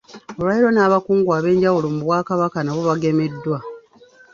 Olwaleero n’abakungu ab’enjawulo mu Bwakabaka nabo bagemeddwa.